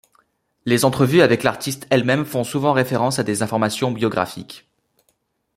Les entrevues avec l'artiste elle-même font souvent référence à des informations biographiques.